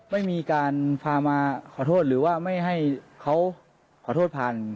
ไม่มีการพามาขอโทษหรือว่าไม่ให้เขาขอโทษผ่าน